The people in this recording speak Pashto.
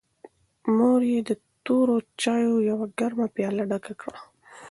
مور یې د تورو چایو یوه ګرمه پیاله ډکه کړه.